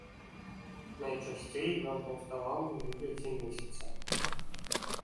Найчасцей ён паўставаў у выглядзе месяца.